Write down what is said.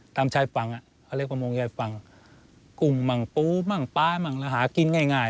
ตามชายฝั่งเขาเรียกประมงไยฝั่งกรุงมังปุ๊บมังป๊ายมังรหากินง่าย